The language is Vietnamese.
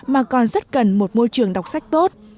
mà còn rất cần một môi trường đọc sách tốt